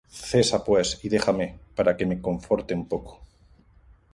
Cesa pues, y déjame, para que me conforte un poco.